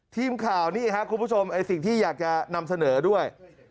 ทีมข่าวนี่ครับคุณผู้ชมไอ้สิ่งที่อยากจะนำเสนอด้วย